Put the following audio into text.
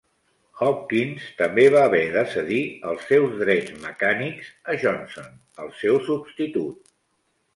Hopkins també va haver de cedir els seus drets mecànics a Johnson, el seu substitut.